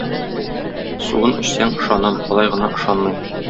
Суын эчсәң ышанам, болай гына ышанмыйм.